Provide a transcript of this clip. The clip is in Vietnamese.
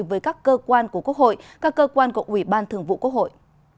với các cơ quan của quốc hội các cơ quan của ủy ban thường vụ quốc hội